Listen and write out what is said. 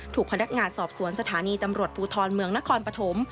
ถูกพนักงานสอบสวนสถานีตำรวจภูทรเมืองนครปฐม